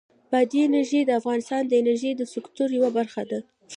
بادي انرژي د افغانستان د انرژۍ د سکتور یوه برخه ده.